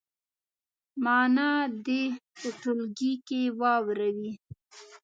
معنا دې په ټولګي کې واوروي.